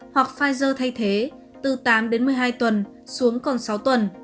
hoặc pfizer thay thế từ tám đến một mươi hai tuần xuống còn sáu tuần